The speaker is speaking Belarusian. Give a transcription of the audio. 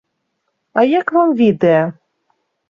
А як вам відэа?